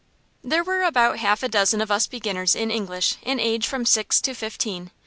There were about half a dozen of us beginners in English, in age from six to fifteen.